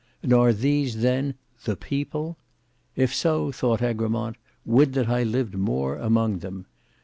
And are these then THE PEOPLE? If so, thought Egremont, would that I lived more among them!